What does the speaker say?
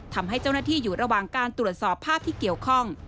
ทำให้เจ้าหน้าที่อยู่ระหว่างการตรวจสอบภาพที่เกี่ยวข้อง